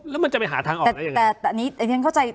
แล้วมันจะไปหาทางออกได้ยังไง